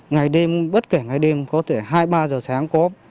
ngày đêm bất kể ngày đêm có thể hai ba giờ sáng có